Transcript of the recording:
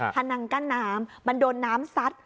นังกั้นน้ำมันโดนน้ำซัด